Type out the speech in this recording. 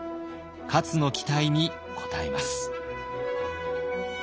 勝の期待に応えます。